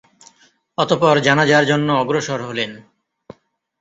অতঃপর জানাযার জন্য অগ্রসর হলেন।